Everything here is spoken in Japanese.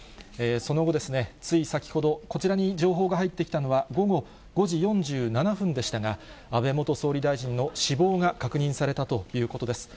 その後、つい先ほど、こちらに情報が入ってきたのは、午後５時４７分でしたが、安倍元総理大臣の死亡が確認されたということです。